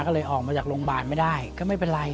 ก็เลยออกมาจากโรงพยาบาลไม่ได้ก็ไม่เป็นไร